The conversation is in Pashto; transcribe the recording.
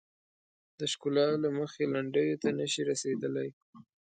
د ښکلا له مخې لنډیو ته نه شي رسیدلای.